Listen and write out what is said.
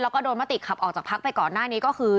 แล้วก็โดนมติขับออกจากพักไปก่อนหน้านี้ก็คือ